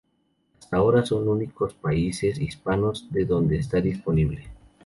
Hasta ahora, son únicos países hispanos en donde está disponible.